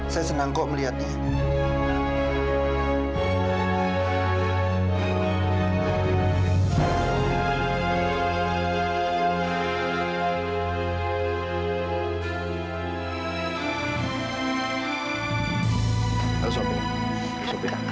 saya senang kok melihatnya